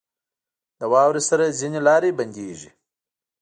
• د واورې سره ځینې لارې بندېږي.